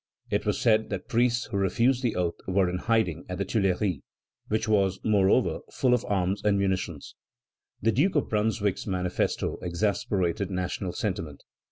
It was said that priests who refused the oath were in hiding at the Tuileries, which was, moreover, full of arms and munitions. The Duke of Brunswick's manifesto exasperated national sentiment.